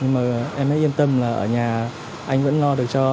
nhưng mà em hãy yên tâm là ở nhà anh vẫn lo được cho hai con